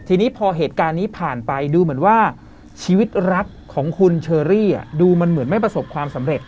ทีนี้พอเหตุการณ์นี้ผ่านไปดูเหมือนว่าชีวิตรักของคุณเชอรี่ดูมันเหมือนไม่ประสบความสำเร็จ